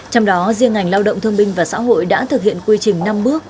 trong đó riêng ngành lao động thương binh và xã hội đã thực hiện quy trình năm bước